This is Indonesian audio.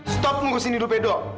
stop ngurusin hidup edo